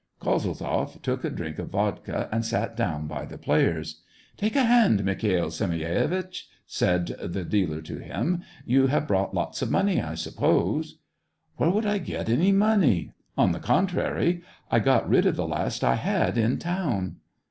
Kozeltzoff took a drink of vodka, and'sat down by the players. " Take a hand, Mikhail Semyonitch !" said the dealer to him ; "you have brought lots of money, I suppose." 202 SEVASTOPOL IN AUGUST. " Where should I get any money ! On the con trary, I got rid of the last I had in town."